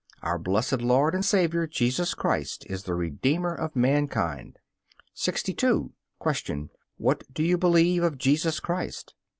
Our Blessed Lord and Saviour Jesus Christ is the Redeemer of mankind. 62. Q. What do you believe of Jesus Christ?